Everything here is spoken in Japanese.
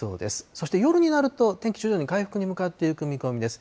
そして夜になると、天気、徐々に回復に向かっていく見込みです。